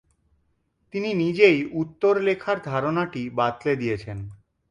তিনি নিজেই উত্তর লেখার ধারণাটি বাতলে দিয়েছেন।